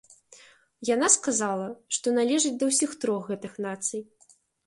Яна сказала, што належыць да ўсіх трох гэтых нацый.